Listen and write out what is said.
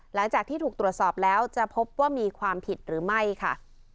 หลังจากที่ถูกตรวจสอบแล้วจะพบว่ามีความผิดหรือไม่ค่ะ